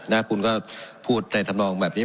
แล้วคุณก็พูดในทำลองแบบนี้